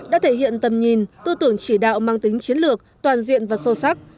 đã thể hiện tầm nhìn tư tưởng chỉ đạo mang tính chiến lược toàn diện và sâu sắc